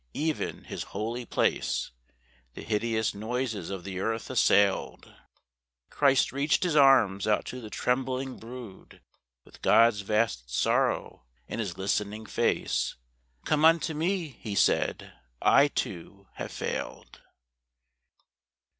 (Even His holy place The hideous noises of the earth assailed.) Christ reached His arms out to the trembling brood, With God's vast sorrow in His listening face. Come unto Me,' He said; 'I, too, have failed.